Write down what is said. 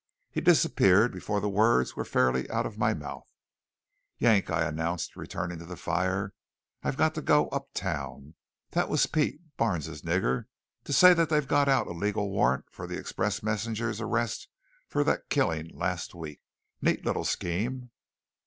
He disappeared before the words were fairly out of my mouth. "Yank," I announced, returning to the fire, "I've got to go uptown. That was Pete, Barnes's nigger, to say that they've got out a legal warrant for the express messengers' arrest for that killing last week. Neat little scheme."